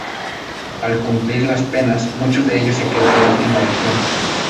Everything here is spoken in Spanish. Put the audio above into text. Al cumplir las penas, muchos de ellos se quedaban en la región.